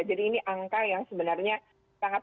jadi ini angka yang sebenarnya sangat